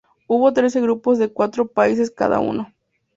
Hubo trece grupos de cuatro países cada uno.